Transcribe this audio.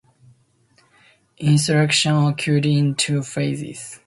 Instruction occurred in two phases.